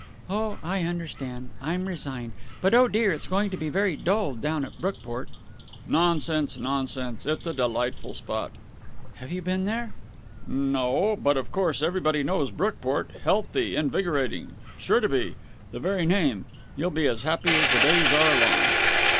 "Oh, I understand. I'm resigned. But, oh dear! it's going to be very dull down at Brookport." "Nonsense, nonsense! It's a delightful spot." "Have you been there?" "No. But of course everybody knows Brookport. Healthy, invigorating.... Sure to be. The very name.... You'll be as happy as the days are long!"